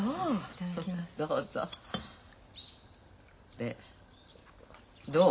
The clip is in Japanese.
でどう？